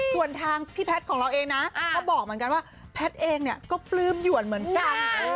ส่วนทางพี่แพทย์ของเราเองนะก็บอกเหมือนกันว่าแพทย์เองเนี่ยก็ปลื้มหยวนเหมือนกัน